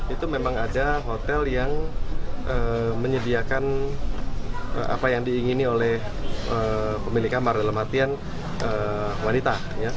itu memang ada hotel yang menyediakan apa yang diingini oleh pemilik kamar dalam artian wanita